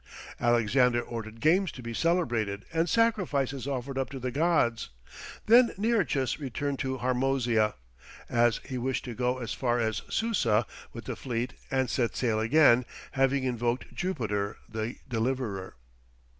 Alexander ordered games to be celebrated and sacrifices offered up to the gods; then Nearchus returned to Harmozia, as he wished to go as far as Susa with the fleet, and set sail again, having invoked Jupiter the Deliverer.